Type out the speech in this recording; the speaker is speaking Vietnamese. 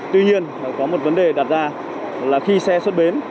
tuy nhiên có một vấn đề đặt ra là khi xe xuất bến